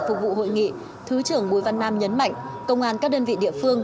phục vụ hội nghị thứ trưởng bùi văn nam nhấn mạnh công an các đơn vị địa phương